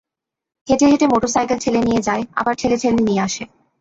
হেঁটে হেঁটে মোটরসাইকেল ঠেলে নিয়ে যায় আবার ঠেলে ঠেলে নিয়ে আসে।